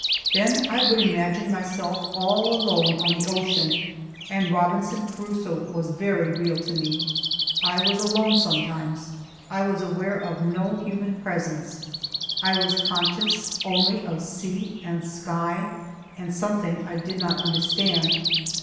Then I would imagine myself all alone on the ocean, and Robinson Crusoe was very real to me. I was alone sometimes. I was aware of no human presence; I was conscious only of sea and sky and something I did not understand.